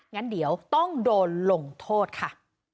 งั้นเดี๋ยวต้องโดนลงโทษค่ะ